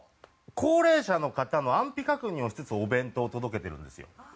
高齢者の方の安否確認をしつつお弁当を届けてるんですよ。